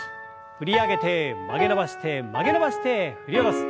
振り上げて曲げ伸ばして曲げ伸ばして振り下ろす。